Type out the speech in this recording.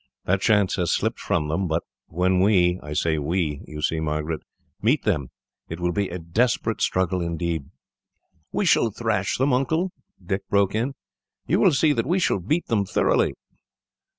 That chance has slipped from them. But when we I say 'we' you see, Margaret meet them, it will be a desperate struggle, indeed." "We shall thrash them, Uncle," Dick broke in. "You will see that we shall beat them thoroughly."